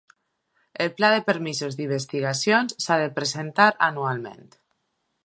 El pla de permisos d'investigacions s'ha de presentar anualment.